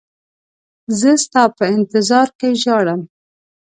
زه ستا په انتظار کې ژاړم.